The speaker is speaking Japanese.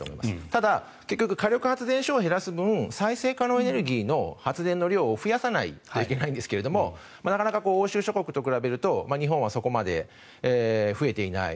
ただ、結局火力発電所を減らす分再生可能エネルギーの発電の量を増やさないといけないんですがなかなか欧州諸国と比べると日本はそこまで増えていない。